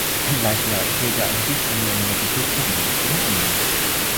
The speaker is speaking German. Im gleichen Jahr erhielt er einen Ruf an die Universität Berlin, den er annahm.